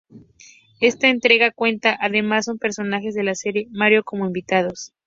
Esta entrega cuenta, además, con personajes de la serie Mario como invitados.